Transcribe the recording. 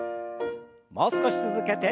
もう少し続けて。